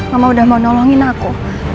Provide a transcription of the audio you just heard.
mama udah mau nolongin aku